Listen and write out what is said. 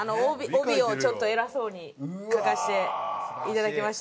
帯をちょっと偉そうに書かせていただきました。